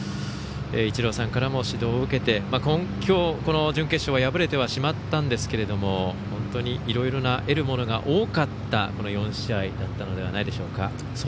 イチローさんからも指導を受けてきょう、この準決勝は敗れてはしまったんですけども本当にいろいろな得るものが多かったこの４試合だったのではないでしょうか。